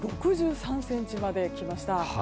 ３６３ｃｍまできました。